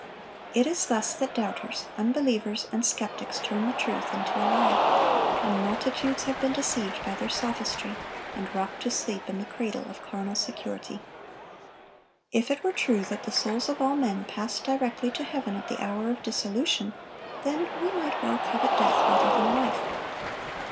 (941) It is thus that doubters, unbelievers, and skeptics turn the truth into a lie. And multitudes have been deceived by their sophistry, and rocked to sleep in the cradle of carnal security. If it were true that the souls of all men passed directly to heaven at the hour of dissolution, then we might well covet death rather than life.